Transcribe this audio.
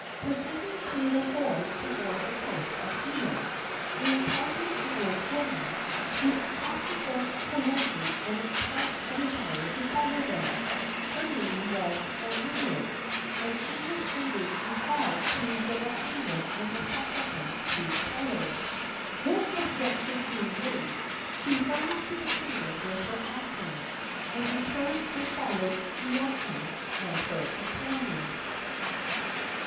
Proceeding through the forests toward the coast of Hilo, they encountered an old woman, who accosted them politely and expressed a desire to follow them. Her name was Omeo, and she was leading a hog to the volcano as a sacrifice to Pele. No objection being made, she hurried to the crater with her offering, and returned and followed Hiiaka and her companion.